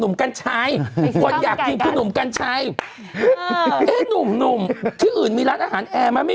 อันนั้นจะต้องไปจ้างจริงนะ